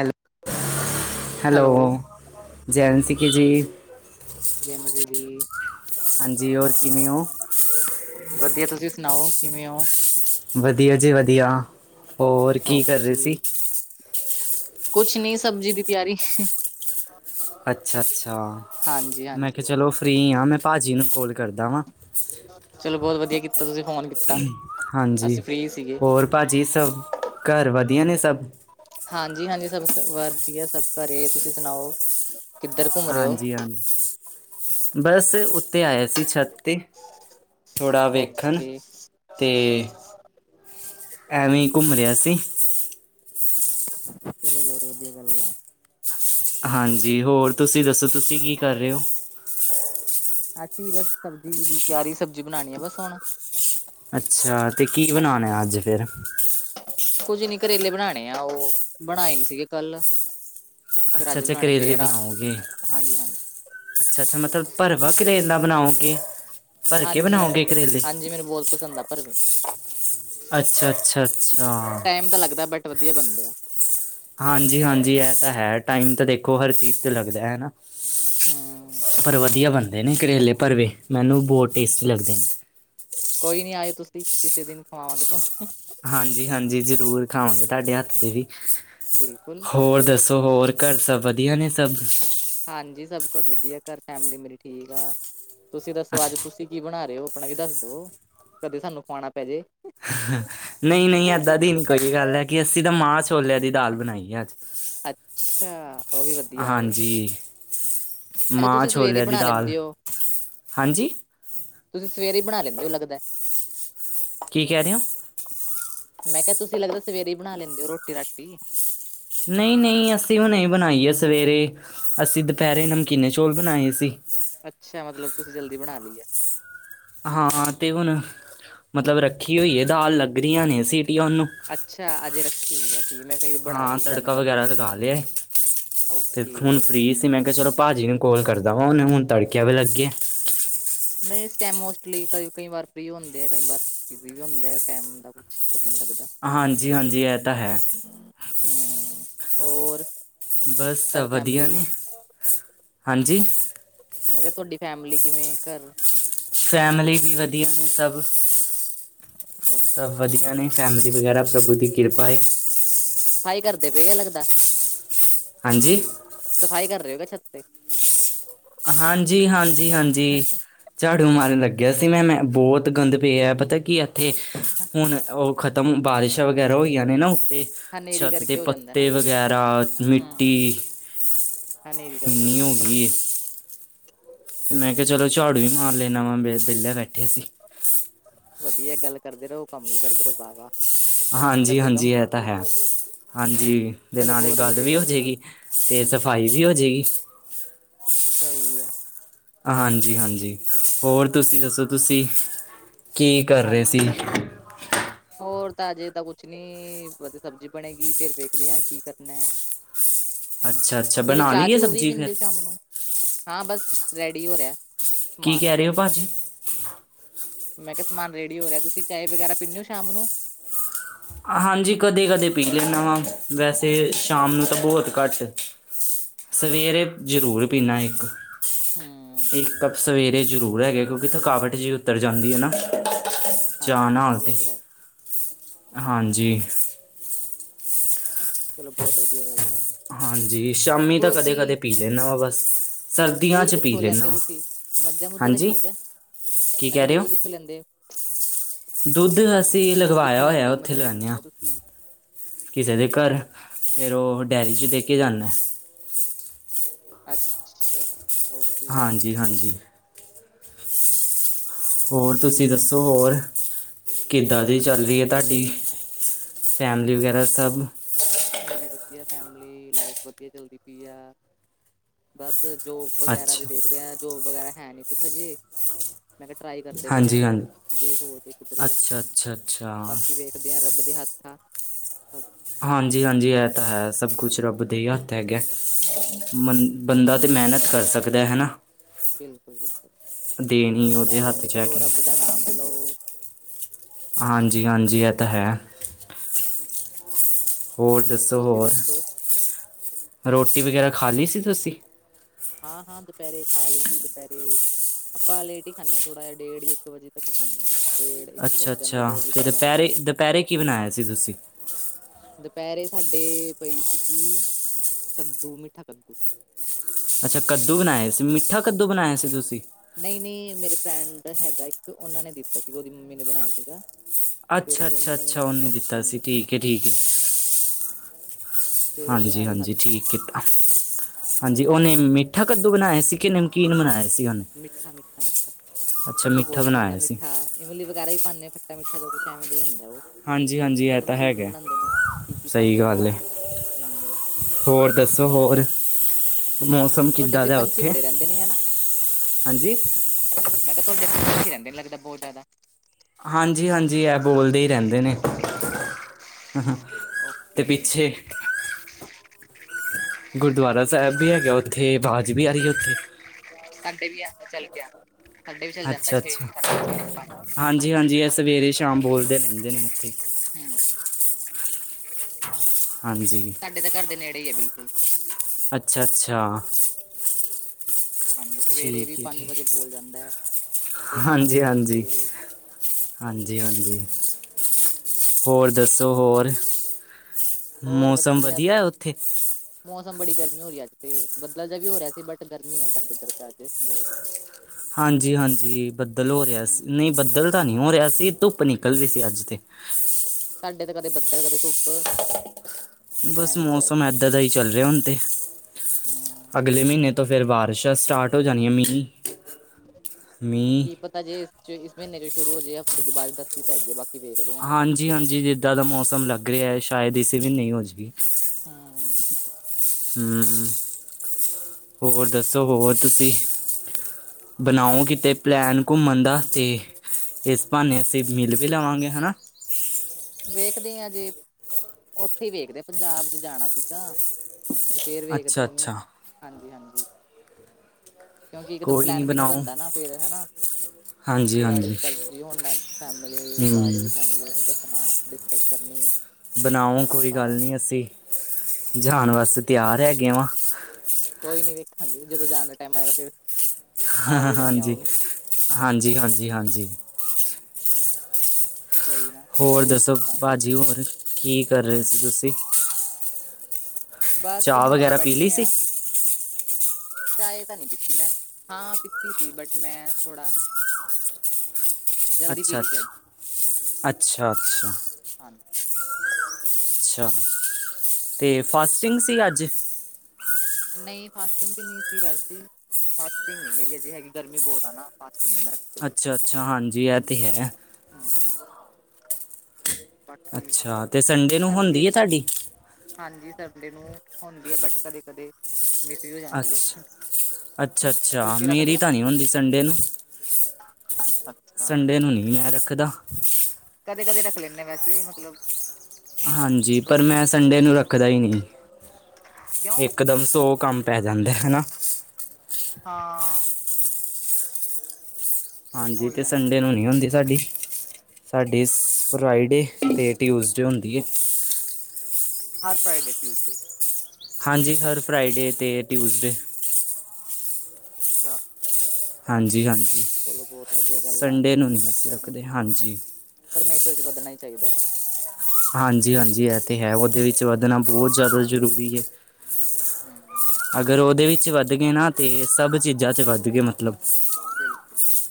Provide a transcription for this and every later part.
Hello hello. [unintelligible] Jain ਸੀਕੀ ਜੀ [unintelligible] ਹਾਂਜੀ ਹੋਰ ਕਿਵੇਂ ਹੋ ਵਧੀਆ, ਤੁਸੀਂ ਸੁਣਾਓ ਕਿਵੇਂ ਹੋ? ਵਧੀਆ ਜੀ ਵਧੀਆ। ਹੋਰ ਕੀ ਕਰ ਰਹੇ ਸੀ ਓਕੇ, ਕੁਛ ਨੀ ਸਬਜ਼ੀ ਦੀ ਤਿਆਰੀ। ਅੱਛਾ, ਅੱਛਾ ਹਾਂਜੀ ਮੈਂ ਕਿਹਾ ਹਾਂਜੀ ਚਲੋ ਫ੍ਰਰੀ ਹਾਂ ਮੈਂ ਪਾਜੀ ਨੂੰ ਕੋਲ ਕਰ ਦਾ ਵਾਂ। ਚਲੋ, ਬਹੁਤ ਵਧੀਆ ਕੀਤਾ ਤੁਸੀਂ ਫੋਨ ਕੀਤਾ ਹਾਂਜੀ, ਅਸੀਂ ਫ੍ਰਰੀ ਸੀਗੇ ਹੋਰ ਭਾਜੀ ਸਭ ਘਰ ਵਧੀਆ ਨੇ ਸਭ। ਹਾਂਜੀ, ਹਾਂਜੀ ਸਭ ਵਰਦੀਯਾਂ ਹੈ ਸਭ ਘਰੇ ਤੁਸੀਂ ਸੁਣਾਓ? ਕਿੱਧਰ ਘੁੰਮ ਰਹੇ ਹੋ ਹਾਂਜੀ-, ਹਾਂਜੀ ਬਸ ਉੱਤੇ ਆਇਆ ਸੀ। ਛੱਤ ਤੇ ਥੋੜਾ ਵੇਖਣ। ਓਕੇ ਤੇ ਐਵੇਂ ਹੀ ਘੁੰਮ ਰਿਹਾ ਸੀ। ਚਲ ਬਰ ਉਸ ਦੇਲ [unintelligible] ਹਾਂਜੀ, ਹੋਰ ਤੁਸੀਂ ਦੱਸੋ ਤੁਸੀਂ ਕੀ ਕਰ ਰਹੇ ਹੋ? ਅਸੀਂ ਬਸ ਸਬਜ਼ੀ ਦੀ ਤਿਆਰੀ, ਸਬਜ਼ੀ ਬਣਾਉਣੀ ਆ ਬਸ ਹੁਣ। ਅੱਛਾ, ਤੇ ਕੀ ਬਣਾਨਾ ਆ ਅੱਜ ਫਿਰ? ਕੁਝ ਨੀ, ਕਰੇਲੇ ਬਣਾਣੇ ਆ ਉਹ ਬਣਾਏ ਨੀ ਸੀਗੇ ਕੱਲ। ਫਿਰ ਅੱਛਾ ਅੱਜ ਅੱਛਾ ਬਣਾਉਣੇ ਕਰੇਲੇ ਪਏ ਰਾ ਬਣਾਓਗੇ ਹਾਂਜੀ ਹਾਂਜੀ ਅੱਛਾ-ਅੱਛਾ, ਮਤਲਬ ਭਰਵਾ ਕਰੇਲਾ ਬਨਾਓਗੇ? ਹਾਂਜੀ, ਮੈਨੂੰ ਹਾਂਜੀ ਮੈਨੂੰ ਬਹੁਤ ਪਸੰਦ ਆ ਭਰਵੇ। ਅੱਛਾ, ਅੱਛਾ, ਅੱਛਾ। ਟਾਈਮ ਤਾਂ ਲੱਗਦਾ, ਬਟ ਵਧੀਆ ਬਣਦੇ ਆ। ਹਾਂਜੀ-ਹਾਂਜੀ ਐ ਤਾ ਹੈ, ਟਾਈਮ ਤੇ ਦੇਖੋ ਹਰ ਚੀਜ਼ ਤੇ ਲਗਦੈ ਨਾ। ਹੂੰ, ਪਰ, ਵਧੀਆ ਬਣਦੇ ਨੇ ਕਰੇਲੇ ਭਰਵੇ, ਮੈਨੂੰ ਬਹੁਤ ਟੇਸਟੀ ਲੱਗਦੇ ਨੇ। ਕੋਈ ਨੀ, ਆਏਓ ਤੁਸੀਂ ਕਿਸੇ ਦਿਨ ਖਮਾਵਾਂਗੇ ਤੁਹਾਨੂੰ। ਹਾਂਜੀ, ਹਾਂਜੀ ਜ਼ਰੂਰ ਖਾਵਾਂਗੇ ਤੁਹਾਡੇ ਹੱਥ ਦੇ ਵੀ। ਬਿਲਕੁਲ। ਹੋਰ ਦੱਸੋ, ਹੋਰ ਘਰ ਸਭ ਵਧੀਆ ਨੇ ਸਭ। ਹਾਂਜੀ, ਸਭ ਕੁਛ ਵਧੀਆ ਘਰ ਫੈਮਲੀ ਮੇਰੀ ਠੀਕ ਆ। ਤੁਸੀਂ ਦੱਸੋ ਅੱਜ ਤੁਸੀਂ ਕੀ ਬਣਾ ਰਹੇ ਹੋ ਆਪਣਾ ਕੀ ਦੱਸ ਦੋ ਕਦੇ ਸਾਨੂੰ ਖਵਾਉਣਾ ਪੈ ਜੇ ਨਈ-ਨਈ ਏਦਾਂ ਦੀ ਨਈ ਕੋਈ ਗੱਲ ਹੈ ਕਿ ਅਸੀਂ ਤਾਂ ਮਾਂ ਛੋਲਿਆਂ ਦੀ ਦਾਲ ਬਣਾਈ ਹੈ ਅੱਜ ਅੱਛਾ ਉਹ ਵੀ ਵਧੀਆ ਏ ਹਾਂਜੀ ਅੱਛਾ ਮਾਂ ਤੁਸੀਂ ਸਵੇਰੇ ਛੋਲਿਆਂ ਦੀ ਬਣਾ ਦਾਲ ਲੈਂਦੇ ਹੋ। ਹਾਂਜੀ ਤੁਸੀਂ ਸਵੇਰੇ ਹੀ ਬਣਾ ਲੈਂਦੇ ਹੋ ਲੱਦਾ ਕੀ ਕਹਿ ਰਹੇ ਹੋ ਮੈਂ ਕਿਹਾ ਤੁਸੀਂ ਲੱਗਦਾ ਸਵੇਰੇ ਹੀ ਬਣਾ ਲੈਂਦੇ ਹੋ ਰੋਟੀ ਰਾਟੀ ਨਹੀਂ ਨਹੀਂ ਅਸੀਂ ਉਹ ਨਹੀਂ ਬਣਾਈਏ ਸਵੇਰੇ ਅਸੀਂ ਦੁਪਹਿਰੇ ਨਮਕੀਨੇ ਚੋਲ ਬਣਾਏ ਸੀ ਅੱਛਾ ਮਤਲਬ ਤੁਸੀਂ ਜਲਦੀ ਬਣਾ ਲਈਏ ਹਾਂ ਤੇ ਹੁਣ ਮਤਲਬ ਰੱਖੀ ਹੋਈ ਹੈ ਦਾਲ ਲੱਗ ਰਹੀਆਂ ਨੇ ਸੀਟੀਆਂ ਉਹਨੂੰ ਅੱਛਾ ਅਜੇ ਰੱਖੀ ਹੋਈ ਆ ਕਿ ਮੈਂ ਕਈ ਬਣਾ ਹਾਂ ਗਈ ਡਨ ਤੜਕਾ ਕਰ ਲਈ ਵਗੈਰਾ ਤਾਂ ਲਿਆ ਤੇ ਓਕੇ। ਹੁਣ ਫ੍ਰੀ ਸੀ ਮੈਂ ਕਿਹਾ ਚਲੋ ਭਾਜੀ ਨੂੰ ਕੋਲ ਕਰਦਾ ਵਾ ਉਹਨੇ ਹੁਣ ਤੜਕਿਆ ਵੀ ਲੱਗੇ ਨਈ ਇਸ ਟਾਇਮ ਮੌਸਲੀ ਕਈ ਵਾਰ ਫਰੀ ਹੁੰਦੇ ਕਈ ਵਾਰ ਬਿਜੀ ਵੀ ਹੁੰਦੇ ਹੈ ਟਾਇਮ ਦਾ ਕੁਛ ਪਤਾ ਨੀ ਲੱਗਦਾ ਹਾਂਜੀ-ਹਾਂਜੀ, ਐ ਤਾ ਹੈ ਹਮ ਹੋਰ ਬਸ ਘਰ ਵਦੀਆ ਫੈਮਲੀ ਨੇ, ਹਾਂਜੀ? ਮੈਂ ਕਿਹਾ ਤੁਹਾਡੀ ਫੈਮਿਲੀ ਕਿਵੇਂ ਘਰ ਫੈਮਲੀ ਵੀ ਵਧੀਆ ਨੇ ਸਭ ਓਕੇ, ਸਭ ਵਧੀਆ ਨੇ ਫੈਮਿਲੀ ਵਗੈਰਾ ਪ੍ਰਭੂ ਦੀ ਕਿਰਪਏ ਸਫ਼ਾਈ ਕਰਦੇ ਪਏ ਗਿਆ ਲੱਗਦਾ ਹਾਂਜੀ ਸਫ਼ਾਈ ਕਰ ਰਹੇ ਹੋ ਕਿਆ ਛੱਤ ਨੇ? ਹਾਂਜੀ ਹਾਂਜੀ ਹਾਂਜੀ ਝਾੜੂ ਮਾਰਨ ਲੱਗਿਆ ਸੀ ਮੈਂ ਮੈਂ ਬਹੁਤ ਗੰਦ ਪਿਆ ਪਤਾ ਕੀ ਇੱਥੇ ਹੁਣ ਉਹ ਖ਼ਤਮ ਬਾਰਿਸ਼ਾਂ ਵਗੈਰਾ ਹੋਈਆਂ ਨੇ ਨਾ ਉੱਤੇ ਹਨੇਰੀ ਛੱਤ ਦੇ ਕਰਕੇ ਹੋ ਜਾਂਦਾ ਨਾ ਪੱਤੇ ਵਗੈਰਾ ਮਿੱਟੀ ਹੂੰ ਹਨੇਰੀ ਕਰਕੇ ਇਨੀ ਹੋ ਗਈ। ਤੇ ਮੈਂ ਕਿਹਾ ਚਲੋ ਝਾੜੂ ਵੀ ਮਾਰ ਲਏ ਨਵਾਂ ਵਿਹਲਲੇ ਬੈਠੇ ਸੀ ਵਧੀਆ ਗੱਲ ਕਰਦੇ ਰਹੋ ਕੰਮ ਵੀ ਕਰਦੇ ਰਹੋ ਵਾਹ ਵਾਹ ਹਾਂਜੀ ਡਬਲ ਕੰਮ ਹਾਂਜੀ ਇਹ ਤਾਂ ਹੈ ਹਾਂਜੀ ਦੇ ਚਲੋ ਨਾਲ ਹੀ ਬਹੁਤ ਗੱਲ ਵਧੀਆ ਵੀ ਹੋ ਆ ਜਾਏਗੀ ਤੇ ਸਫ਼ਾਈ ਵੀ ਹੋ ਜਾਏਗੀ ਸਹੀ ਹੈ ਹਾਂਜੀ-ਹਾਂਜੀ ਹੋਰ ਤੁਸੀਂ ਦੱਸੋ ਤੁਸੀਂ ਕੀ ਕਰ ਰਹੇ ਸੀ ਹਾਂਜੀ ਹੋਰ ਤਾਂ ਅਜੇ ਤਾਂ ਕੁਛ ਨੀ ਸਬਜ਼ੀ ਬਣੇਗੀ ਫਿਰ ਵੇਖਦੇ ਹਾਂ ਕੀ ਕਰਨਾ। ਅੱਛਾ ਅੱਛਾ ਤੁਸੀਂ ਬਣਾ ਚਾਹ ਲਈਏ ਚੂ ਵੀ ਸਬਜ਼ੀ ਫਿਰ? ਪੀਂਦੇ ਹੋ ਸ਼ਾਮ ਨੂੰ ਹਾਂ ਬਸ ਰੈਡੀ ਹੋ ਰਿਹਾ। ਕੀ ਸਮਾਨ ਕਹਿ ਰਹੇ ਹੋ ਭਾਜੀ ਮੈਂ ਕਿਹਾ ਸਮਾਨ ਰੇਡੀ ਹੋ ਰਿਹਾ ਤੁਸੀਂ ਚਾਏ ਵਗੈਰਾ ਪੀਂਦੇ ਹੋ ਸ਼ਾਮ ਨੂੰ ਹਾਂਜੀ ਕਦੇ ਕਦੇ ਪੀ ਲੈਂਦਾ ਵਾ ਵੈਸੇ ਸ਼ਾਮ ਨੂੰ ਅੱਛਾ ਤਾਂ ਬਹੁਤ ਘੱਟ। ਸਵੇਰੇ ਜ਼ਰੂਰ ਪੀਨਾ ਇੱਕ ਹਮ ਇੱਕ ਕ ਸਵੇਰੇ ਜ਼ਰੂਰ ਹੈਗੇ ਕਿਉਂਕਿ ਥਕਾਵਟ ਜੇਹੀ ਉਤਰ ਜਾਂਦੀ ਹੈ ਨਾ। ਚਾਹ ਹਾਂਜੀ ਨਾਲ ਹਾਂਜੀ ਇਹ ਤੇ ਹੈ ਹਾਂਜੀ ਚਲੋ ਬਹੁਤ ਵਧੀਆ ਗੱਲ ਆ ਹਾਂਜੀ ਸ਼ਾਮੀ ਤਾਂ ਕਦੇ ਕਦੇ ਪੀ ਲੈਂਦਾ ਵਾ ਬਸ। ਸਰਦੀਆਂ ਦੂਧ 'ਚ ਪੀ ਕੀਥੋਂ ਲੈਂਦੇ ਲੈਣਾ ਤੁਸੀਂ, ਮੱਝਾਂ-ਮੁੱਝਾਂ ਹਾਂਜੀ ਰੱਖੀਆਂ ਕੇਆ ਕੀ ਮੈਂ ਕਹਿ ਕੇਆ ਰਹੇ ਹੋ ਦੂਧ ਕੀਥੋਂ ਲੈਂਦੇ ਓ? ਦੁੱਧ ਅਸੀਂ ਲਗਵਾਇਆ ਕਿੱਥੋਂ ਹੋਇਆ ਲੈਂਦੇ ਹੋ ਉੱਥੇ ਮੱਝਾਂ ਲਿਉਣੇ ਰੱਖੀਆਂ ਹਾਂ। ਕਿਆ ਤੁਸੀਂ ਕਿਸੇ ਦੇ ਘਰ ਫਿਰ ਉਹ ਡੇਅਰੀ 'ਚ ਦੇ ਕੇ ਜਾਂਦਾ। ਅੱਛਾ, ਓਕੇ। ਹਾਂਜੀ ਹਾਂਜੀ। ਹੋਰ ਤੁਸੀਂ ਦੱਸੋ ਹੋਰ ਕਿੱਦਾਂ ਦੀ ਚੱਲ ਰਹੀ ਹੈ। ਤੁਹਾਡੀ ਫੈਮਲੀ ਵਗੈਰਾ ਸਬ। ਮੇਰੀ ਵਧੀਆ, ਫੈਮਲੀ ਲਾਈਫ ਵਧੀਆ ਚੱਲਦੀ ਪਈ ਆ। ਬਸ ਜੋਬ ਵਗੈਰਾ ਦੀ ਅੱਛਾ ਦੇਖਦੇ ਹਾਂ। ਜੋਬ ਵਗ਼ੈਰਾ ਹੈ ਨੀ ਕੁੱਛ ਹਜੇ। ਮੈਂ ਕਿਹਾ ਟਰਾਈ ਕਰਦੇ ਪਏ ਹਾਂਜੀ ਹਾਂ ਹਾਂਜੀ ਜੇ ਹੋ ਜਏ ਕਿਧਰੇ ਅੱਛਾ ਅੱਛਾ ਅੱਛਾ ਬਾਕੀ ਵੇਖ। ਕਦੇਆਂ ਰੱਬ ਦੇ ਹੱਥਾਂ ਹਾਂਜੀ ਹਾਂਜੀ ਇਹ ਤਾਂ ਹੈ ਸਭ ਕੁਛ ਰੱਬ ਦੇ ਹੀ ਹੱਥ ਹੈਗਾ। ਹੂੰ ਮੰ ਬੰਦਾ ਤਾਂ ਮਿਹਨਤ ਕਰ ਸਕਦਾ ਹੈ ਨਾ। ਬਿਲਕੁਲ, ਬਿਲਕੁਲ ਦੇਣ ਹੀ ਉਹਦੇ ਮਿਹਨਤ ਹੱਥ ਵੀ 'ਚ ਕਰੋ ਹੈਗੀ ਰੱਬ ਦਾ ਨਾਮ ਵੀ ਲਓ। ਹਾਂਜੀ-ਹਾਂਜੀ ਇਹ ਤਾਂ ਹੈ। ਹੋਰ ਦੱਸੋ ਤੁਸੀਂ ਹੋਰ, ਦੱਸੋ ਰੋਟੀ ਵਗੈਰਾ ਖਾ ਲਈ ਸੀ ਤੁਸੀਂ? ਹਾਂ, ਹਾਂ ਦੁਪਹਿਰੇ ਖਾ ਲਈ ਸੀ ਦੁਪਹਿਰੇ। ਆਪਾਂ ਲੇਟ ਹੀ ਖਾਂਦੇ ਹਾਂ ਥੋੜਾ ਜਿਹਾ ਡੇਢ ਹੀ ਇੱਕ ਵਜੇ ਤੱਕ ਹੀ ਖਾਂਦੇ ਹਾਂ। ਡੇਢ ਇੱਕ ਵੱਜ ਅੱਛਾ, ਜਾਂਦਾ ਅੱਛਾ ਦੋ ਵੀ ਅਤੇ ਵੱਜ ਜਾਂਦੇ ਦੁਪਹਿਰੇ ਆ ਦੁਪਹਿਰੇ ਕੀ ਬਣਾਇਆ ਸੀ ਤੁਸੀਂ? ਦੁਪਹਿਰੇ ਸਾਡੇ ਪਈ ਸੀਗੀ ਕੱਦੂ ਮਿੱਠਾ ਕੱਦੂ। ਅੱਛਾ ਕੱਦੂ ਬਣਾਇਆ ਸੀ। ਮਿੱਠਾ ਕੱਦੂ ਬਣਾਇਆ ਸੀ ਤੁਸੀਂ? ਨਹੀਂ, ਨਹੀਂ ਮੇਰੇ ਫਰੈਂਡ ਹੈਗਾ ਇੱਕ ਉਹਨਾਂ ਨੇ ਦਿੱਤਾ ਸੀਗਾ। ਉਹਦੀ ਮੰਮੀ ਨੇ ਬਣਾਇਆ ਸੀਗਾ। ਫਿਰ ਅੱਛਾ ਅੱਛਾ ਉਹਨਾਂ ਨੇ ਅੱਛਾ ਮੈਨੂੰ ਉਹਨੇ ਦਿੱਤਾ ਸੀ ਹਾਂਜੀ ਹਾਂਜੀ ਠੀਕ ਹੈ, ਠੀਕ ਹੈ। ਫਿਰ ਉਹਦੇ ਹਾਂਜੀ, ਨਾਲ ਹੀ ਹਾਂਜੀ ਖਾਧਾ ਠੀਕ ਕੀਤਾ। ਹਾਂਜੀ ਉਹਨੇ ਮਿੱਠਾ ਕੱਦੂ ਬਣਾਇਆ ਸੀ ਕਿ ਨਮਕੀਨ? ਬਣਾਇਆ ਹਾਂ ਸੀ ਉਹਨੇ ਮਿੱਠਾ, ਮਿੱਠਾ, ਮਿੱਠਾ ਅੱਛਾ ਮੈਨੂੰ ਤਾਂ ਮਿੱਠਾ ਬਹੁਤ ਪਸੰਦ ਆ ਬਣਾਇਆ ਸੀ ਮਿੱਠਾ। ਇਮਲੀ ਵਗੈਰਾ ਵੀ ਪਾਂਦੇ ਹੋ ਖੱਟਾ ਮਿੱਠਾ ਜੋ ਕੁਛ ਐਵੇਂ ਹੀ ਹੁੰਦਾ ਉਹ। ਹਾਂਜੀ ਹਾਂਜੀ ਇਹ ੳੱਧਰ ਤਾਂ ਕੀ ਕੀ ਹੈਗਾ ਬਣਾਉਂਦੇ ਨੇ ਕੀ ਕੀ ਸਹੀ ਪਾਉਦੇ ਨੇ ਗੱਲ ਵਿੱਚ? ਹੈ ਹੋਰ ਦੱਸੋ ਹੋਰ? ਮੌਸਮ ਤੁਹਾਡੇ ਕਿੱਦਾਂ ਤੇ ਦਾ ਪੰਛੀ ਉੱਥੇ, ਬੜੇ ਰਹਿੰਦੇ ਨੇ ਹਨਾ ਹਾਂਜੀ? ਮੈਂ ਕਿਹਾ ਤੁਹਾਡੇ ਇੱਥੇ ਪੰਛੀ ਰਹਿੰਦੇ ਲੱਗਦਾ ਬਹੁਤ ਜ਼ਿਆਦਾ। ਹਾਂਜੀ-ਹਾਂਜੀ ਐ ਬੋਲ ਦੇ ਈ ਰੈਂਦੇ ਨੇ। ਹਾਂ ਤੇ ਓਕੇ ਪਿੱਛੇ। ਗੁਰਦੁਆਰਾ ਸਾਹਿਬ ਵੀ ਹੈਗਾ ਉੱਥੇ ਵਾਜ ਵੀ ਆ ਰਹੀ ਹੈ ਉੱਥੇ। ਤੁਹਾਡੇ ਵੀ ਆ ਚਲ ਪਿਆ। ਅੱਛਾ, ਅੱਛਾ ਪੰਜ ਹਾਂਜੀ ਹਾਂਜੀ ਇਹ ਸਵੇਰੇ ਸ਼ਾਮ ਬੋਲਦੇ ਰਹਿੰਦੇ ਨੇ ਇੱਥੇ। ਹਮ ਹਾਂਜੀ। ਸਾਡੇ ਤਾਂ ਘਰ ਦੇ ਨੇੜੇ ਹੀ ਹੈ ਬਿਲਕੁਲ। ਅੱਛਾ ਅੱਛਾ। ਹਾਂਜੀ ਸਵੇਰੇ ਵੀ ਠੀਕ ਹੈ ਪੰਜ ਠੀਕ ਵਜੇ ਬੋਲ ਜਾਂਦਾ ਹੈ ਤੇ ਸ਼ਾਮ ਹਾਂਜੀ ਨੂੰ ਵੀ ਹਾਂਜੀ ਛੇ। ਹਾਂਜੀ, ਹਾਂਜੀ। ਹੋਰ ਦੱਸੋ ਹੋਰ, ਹੋਰ ਮੌਸਮ ਤੁਸ- ਵਧੀਆ ਉੱਥੇ? ਮੌਸਮ ਬੜੀ ਗਰਮੀ ਹੋ ਰਹੀ ਹੈ ਅੱਜ ਤੇ ਬਦਲਾ ਜਿਹਾ ਹੋ ਰਿਹਾ ਸੀ ਬਟ ਗਰਮੀ ਹੈ ਸਾਡੇ ਇੱਧਰ ਤਾਂ ਅੱਜ ਬਹੁਤ। ਹਾਂਜੀ ਹਾਂਜੀ ਬੱਦਲ ਹੋ ਰਿਹਾ ਸੀ। ਹੂੰ, ਨਹੀਂ ਬੱਦਲ ਤਾਂ ਨਹੀਂ ਹੋ ਰਿਹਾ ਸੀ। ਧੁੱਪ ਨਿਕਲ ਰਹੀ ਸੀ ਅੱਜ ਤੇ। ਸਾਡੇ ਤੇ ਕਦੇ ਬੱਦਲ ਕਦੇ ਧੁੱਪ। ਬਸ ਐਵੇਂ ਦਾ ਹੋਇਆ ਮੌਸਮ ਸੀਗਾ। ਇੱਦਾਂ ਦਾ ਹੀ ਚੱਲ ਰਿਹਾ ਹੁਣ ਤੇ ਹੂੰ, ਅਗਲੇ ਮਹੀਨੇ। ਤਾਂ ਫੇਰ ਬਾਰਿਸ਼ਾਂ ਸਟਾਰਟ ਹੋ ਜਾਣੀਆਂ ਮੀਂਹ। ਤਾਂ ਜੇ ਇਸ ਚ ਇਸ ਮਹੀਨੇ ਚੋਂ ਸ਼ੁਰੂ ਹੋ ਜੇ ਹਫ਼ਤੇ ਦੀ ਬਾਰਿਸ਼ ਦੱਸੀ ਤਾਂ ਹੈਗੀ ਆ ਬਾਕੀ ਵੇਖਦੇ ਹਾਂ। ਹਾਂਜੀ ਹਾਂਜੀ ਜੇ। ਜਿਆਦਾ ਮੌਸਮ ਲੱਗ ਰਿਹਾ ਹੈ ਸ਼ਾਇਦ ਇਸੇ ਵੀ ਮਹੀਨੇ ਹੀ ਹੋ ਜਾਏ। ਹਮ। ਹਮ, ਹੋਰ ਦੱਸੋ, ਹੋਰ ਤੁਸੀਂ? ਬਣਾਓ ਕਿਤੇ ਪਲੈਨ ਘੁੰਮਣ ਦਾ ਤੇ। ਇਸ ਬਹਾਨੇ ਅਸੀਂ ਮਿੱਲ ਵੀ ਲਵਾਂਗੇ। ਹੈਨਾ ਵੇਖਦੇ ਆਂ ਜੇ ਉੱਥੇ ਵੇਖਦੇ ਆਂ, ਪੰਜਾਬ ਚ ਜਾਣਾ ਸੀਗਾ। ਫੇਰ ਵੇਖਦੇ ਅੱਛਾ ਆਂ, ਅੱਛਾ ਹਾਂਜੀ- ਹਾਂਜੀ। ਕਿਉਂਕਿ ਇੱਕਦਮ ਕੋਈ ਪਲੈਨ ਨਹੀਂ ਵੀ ਨੀ ਬਣਾਓ ਬਣਦਾ ਨਾ, ਫੇਰ ਹਨਾ। ਹਾਂਜੀ ਥੋੜਾ ਹਾਂਜੀ ਡਿਸਕਸ ਵੀ ਹੁੰਦਾ ਫੈਮਿਲੀ ਬਾਰੇ, ਹੂੰ, ਫੈਮਲੀ ਨੂੰ ਹਨਾ ਡਿਸਕਸ ਕਰਨੀ। ਬਣਾਓ ਆਪਣਾ ਕੋਈ ਗੱਲ ਸਾਰਾ ਨੀ, ਅਸੀਂ ਜਾਣ ਵਾਸਤੇ ਤਿਆਰ ਹੈਗੇ ਵਾਂ। [unintelligible] ਕੋਈ ਨੀ ਵੇਖਾਂਗੇ, ਜਦੋਂ ਜਾਣ ਦਾ ਟਾਈਮ ਆਏਗਾ ਫਿਰ। ਆਓਗੇ ਕਿ ਨਹੀਂ ਆਓਗੇ ਹਾਂਜੀ-ਹਾਂਜੀ -ਹਾਂਜੀ- ਹਾਂਜੀ। ਕੋਈ ਨਾ ਹੋਰ ਜ਼ਰੂਰ ਦੱਸੋ, ਦੱਸਾਂਗੇ ਭਾਜੀ ਜੀ ਹੋਰ ਕੀ ਕਰ ਰਹੇ ਸੀ ਤੁਸੀਂ। ਬਸ ਚਾਹ ਹੁਣ ਤਾਂ ਵਗੈਰਾ ਪੀ ਲਈ ਬੈਠੇ ਸੀ? ਆ। ਚਾਏ ਤਾਂ ਨੀ ਪੀਤੀ ਮੈਂ, ਹਾਂ ਪੀਤੀ ਸੀ, ਬਟ ਮੈਂ ਥੋੜਾ ਜਲਦੀ ਪੀ ਅੱਛਾ- ਲਈ ਸੀ ਅੱਜ ਅੱਛਾ- ਅੱਛਾ- ਅੱਛਾ ਹਾਂਜੀ, ਹਾਂ। ਅੱਛਾ, ਤੇ ਫਾਸਟਿੰਗ ਸੀ ਅੱਜ। ਨਹੀਂ ਫਾਸਟਿੰਗ ਤਾਂ ਨਹੀਂ ਸੀ, ਰਾਤੀ ਫਾਸਟਿੰਗ ਨਹੀਂ ਮੇਰੀ ਅਜੇ ਹੈਗੀ, ਗਰਮੀ ਬਹੁਤ ਆ ਨਾ ਫਾਸ ਅੱਛਾ-ਅੱਛਾ, ਹਾਂਜੀ ਇਹ ਤੇ ਹੈ। [inaudible] ਬਾਕੀ ਅੱਛਾ, ਤੇ ਸੰਡੇ ਨੂੰ ਸਰਦੀ ਹੁੰਦੀ ਐ ਚ ਤੁਹਾਡੀ। ਹਾਂਜੀ, ਸੰਡੇ ਨੂੰ ਹੁੰਦੀ ਐ, ਬਟ ਕਦੇ-ਕਦੇ। ਅ ਅੱਛਾ-ਅੱਛਾ, ਤੁਸੀਂ ਰੱਖਦੇ ਮੇਰੀ ਹੋ ਤਾਂ ਨਹੀਂ ਹੁੰਦੀ ਸੰਡੇ ਨੂੰ। ਅੱਛਾ ਸੰਡੇ ਨੂੰ ਨਹੀਂ ਮੈਂ ਰੱਖਦਾ। ਕਦੇ-ਕਦੇ ਰੱਖ ਲੈਂਨੇ ਆ ਵੈਸੇ ਮਤਲਬ ਹਾਂਜੀ ਪਰ ਮੈਂ ਸੰਡੇ ਹਾਂਜੀ ਨੂੰ ਰੱਖਦਾ ਈ ਨੀ। ਕਿਉਂ ਇਕਦਮ ਸੌ ਕੰਮ ਪੈ ਜਾਂਦੇ ਹੈਨਾ। ਹਾਂ ਹਾਂਜੀ ਹੋ ਹੀ ਤੇ ਜਾਂਦਾ ਹੈ ਸੰਡੇ ਨੂੰ ਹੁੰ ਸਾਡੀ, ਸਾਡੀ ਫਰਾਈਡੇ ਤੇ ਟਿਊਜ਼ਡੇ ਹੁੰਦੀ ਏ। ਹਰ ਫ੍ਰਾਈਡੇ ਟਿਊਸਡੇ। ਹਾਂਜੀ ਹਰ ਫਰਾਈਡੇ ਅਤੇ ਟਿਊਜ਼ਡੇ। ਅੱਛਾ, ਹਾਂਜੀ-ਹਾਂਜੀ ਚਲੋ ਬਹੁਤ ਵਧੀਆ ਗੱਲ ਆ ਸੰਡੇ ਨੂੰ ਨੀ ਅਸੀਂ ਰੱਖਦੇ ਹਾਂਜੀ। ਪਰਮੇਸ਼ਵੁਰ ਚ ਵਧਣਾ ਈ ਚਾਈਦਾ ਐ। ਹਾਂਜੀ-ਹਾਂਜੀ ਐ ਤੇ ਹੈ ਓਦੇ ਵਿੱਚ ਵੱਧਣਾ ਬੌ ਜ਼ਿਆਦਾ ਜ਼ਰੂਰੀ ਏ। ਹੂੰ ਅਗਰ ਉਦੇ ਵਿੱਚ ਵੱਧ ਗਏ ਨਾ ਤੇ ਸਬ ਚੀਜ਼ਾਂ ਚ ਵੱਧ ਗਏ ਮਤਲਬ ਬਿਲਕੁਲ-ਬਿਲਕੁਲ।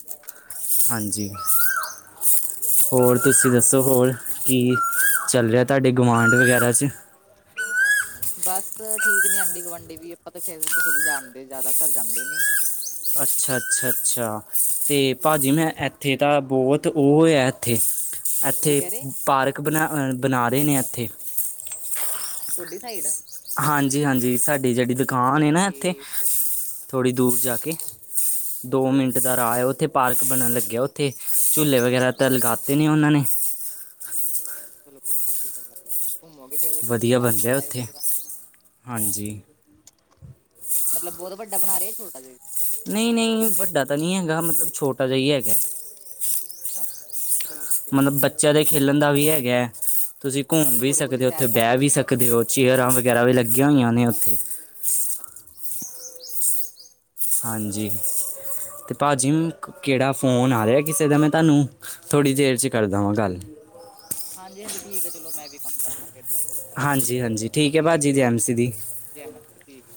ਹਾਂਜੀ। ਹੋਰ ਤੁਸੀਂ ਦੱਸੋ ਹੋਰ ਕੀ ਚੱਲ ਰਿਆ ਤੁਹਾਡੇ ਗੁਵਾਂਢ ਵਗੈਰਾ ਚ? ਬਸ ਠੀਕ ਨੀਅ ਆਂਢੀ- ਗੁਆਂਢੀ ਵੀ ਆਪਾਂ ਤਾਂ ਕਿਸੇ ਕਿਸੇ ਦੇ ਜਾਣਦੇ ਜ਼ਿਆਦਾ ਘਰ ਜਾਂਦੇ। ਅੱਛਾ-ਅੱਛਾ-ਅੱਛਾ ਤੇ ਹਾਂਜੀ ਭਾਜੀ ਮੈਂ ਇੱਥੇ ਤਾਂ ਬੋਹਤ ਓ ਐ ਇੱਥੇ, ਕੀ ਇੱਥੇ ਕਹਿ ਰਹੇ ਪਾਰਕ ਬਣਾ ਬਣਾ ਰਹੇ ਨੇ ਇੱਥੇ ਤੁਹਾਡੀ ਸਾਈਡ ਹਾਂਜੀ-ਹਾਂਜੀ ਸਾਡੀ ਜੇੜੀ ਦੁਕਾਨ ਏ ਨਾ ਓਕੇ ਇੱਥੇ ਥੋੜ੍ਹੀ ਦੂਰ ਜਾ ਕੇ [unintelligible] ਦੋ ਮਿੰਟ ਦਾ ਰਾ ਏ ਉੱਥੇ ਪਾਰਕ ਬਣਨ ਲੱਗਿਆ ਉੱਥੇ ਝੂਲੇ ਵਗੈਰਾ ਤਾਂ ਅੱਛਾ ਲਗਾਤੇ ਨੇ ਉਨਾਂ ਨੇ ਚਲੋ ਬੋਹਤ ਵਧੀਆ ਗੱਲ ਆ ਫਿਰ ਘੁੰਮੋਗੇ ਫਿਰ ਤੁਸੀਂ ਵਧੀਆ ਬਣ ਤੁਹਾਨੂੰ ਰਿਹਾ ਬੁਲਾਇਓ ਉੱਥੇ ਫੇਰ ਤਾ ਹਾਂਜੀ। ਮਤਲ ਬਹੁ ਵੱਡਾ ਬਣਾ ਰਿਏ ਛੋਟਾ ਜੇਆ? ਨਈ-ਨਈ ਵੱਡਾ ਤਾਂ ਨਈ ਹੈਗਾ ਮਤਲਬ ਛੋਟਾ ਜੇਹਾ ਈ ਹੈਗਾ। ਅੱਛਾ ਚਲੋ। ਫਿਰ ਤਾਂ ਮਤਲਬ ਬਹੁਤ ਬੱਚੇਆਂ ਦੇ ਵਧੀਆ ਖੇਲਣ ਦਾ ਵੀ ਹੈਗਾ, ਤੁਸੀਂ ਘੁੰਮ ਮਤਲਬ ਵੀ ਥੋੜ੍ਹੀ ਬਹੁਤੀ ਸਕਦੇ ਓ ਓਥੇ ਸੈਰ ਕਰ ਬੇਅ ਵੀ ਹਾਂ ਸਕਦੇ ਉੱਥੇ ਓ। ਚੇਅਰਾਂ ਵਗੈਰਾ ਵੀ ਲੱਗੀਆਂ ਹੋਈਆਂ ਨੇ ਉੱਥੇ। ਹਾਂਜੀ। ਤੇ ਭਾਜੀ ਕਿਹੜਾ ਫੋਨ ਆ ਰਿਆ ਕਿਸੇ ਦਾ ਮੈਂ ਤੁਹਾਨੂੰ ਥੋੜ੍ਹੀ ਦੇਰ ਚ ਕਰਦਾ ਵਾਂ ਗੱਲ। ਹਾਂਜੀ, ਹਾਂਜੀ ਠੀਕ ਹੈ ਚਲੋ, ਮੈਂ ਵੀ ਕੰਮ ਕਰਦਾ ਫਿਰ ਤਾਂ ਹਾਂਜੀ-ਹਾਂਜੀ ਠੀਕ ਐ ਭਾਜੀ ਜੀ ਐਮ ਸੀ ਦੀ। [inaudible]